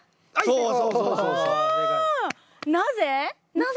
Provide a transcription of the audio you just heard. なぜ？